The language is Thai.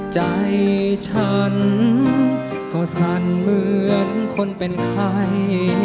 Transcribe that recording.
ใจฉันก็สั่นเหมือนคนเป็นใคร